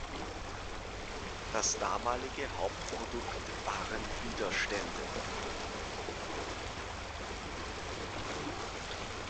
Das damalige Hauptprodukt waren Widerstände.